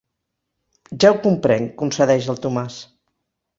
Ja ho comprenc –concedeix el Tomàs.